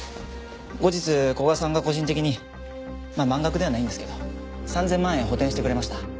後日古賀さんが個人的にまあ満額ではないんですけど３０００万円補填してくれました。